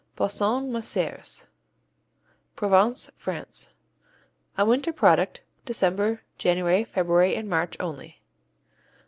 Bossons Maceres Provence, France A winter product, December, January, February and March only.